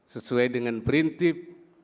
sesuai dengan prinsip